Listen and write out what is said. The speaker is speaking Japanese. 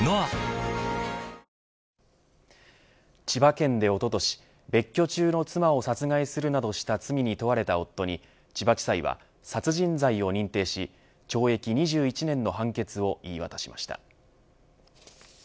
千葉県でおととし別居中の妻を殺害するなどした罪に問われた夫に千葉地裁は殺人罪を認定し懲役２１年の判決を言い渡しました。